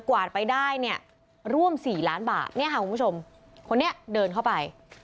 วาดไปได้เนี่ยร่วมสี่ล้านบาทเนี่ยค่ะคุณผู้ชมคนนี้เดินเข้าไป